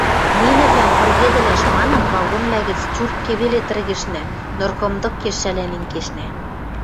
Нинӹвлӓм пыргедӹлӓш манын, вагонвлӓ гӹц тюртке веле тӹргӹшнӓ, ныр кымдыкеш шӓлӓнен кешнӓ.